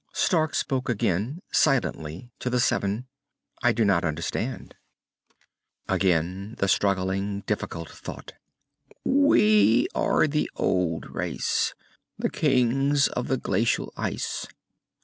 Stark spoke again, silently, to the seven. "I do not understand." Again the struggling, difficult thought. "We are the old race, the kings of the glacial ice.